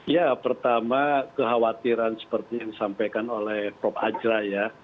ya pertama kekhawatiran seperti yang disampaikan oleh prof azra ya